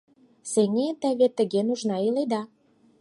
Сеҥен да вет тыге нужнан иледа.